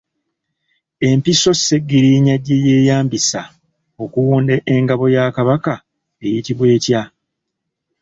Empiso Ssegiriinya gye yeeyambisa okuwunda engabo ya Kabaka eyitibwa etya?